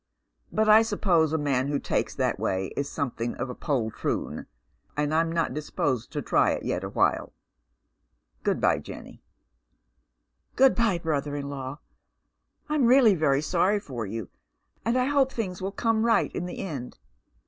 But I suppose a man who takes that way is something of a poltroon, and I'm not disposed to try it yet awhile. Good bye, Jenny." " Good bye, brother in law. I'm really very sorry for you, and I hope things will come right in the end.